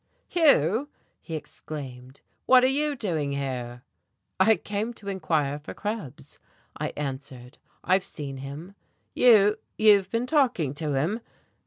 "Hugh!" he exclaimed. "What are you doing here?" "I came to inquire for Krebs," I answered. "I've seen him." "You you've been talking to him?"